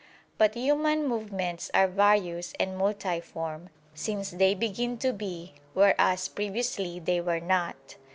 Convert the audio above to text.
But human movements are various and multiform, since they begin to be, whereas previously they were not.